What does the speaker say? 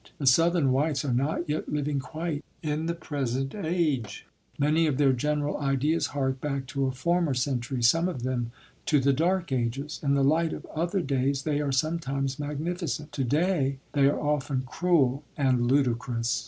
The Southern whites are not yet living quite in the present age; many of their general ideas hark back to a former century, some of them to the Dark Ages. In the light of other days they are sometimes magnificent. Today they are often cruel and ludicrous.